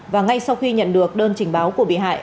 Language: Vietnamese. và ngay sau khi nhận được đơn trình báo của bị hại